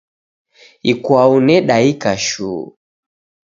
Ikwau nedaika shuu.